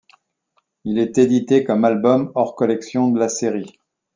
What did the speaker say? Il est édité comme album hors collection de la série.